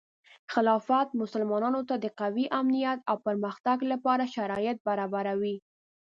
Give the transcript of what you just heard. خلافت مسلمانانو ته د قوي امنیت او پرمختګ لپاره شرایط برابروي.